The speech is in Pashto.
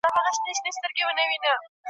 خیال چي مي سندري شر نګولې اوس یې نه لرم `